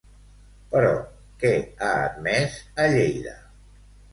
Però, què ha admès a Lleida?